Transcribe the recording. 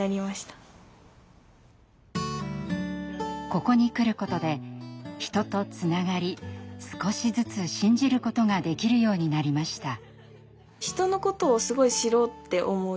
ここに来ることで人とつながり少しずつ信じることができるようになりました。